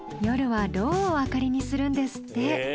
夜はろうを灯りにするんですって。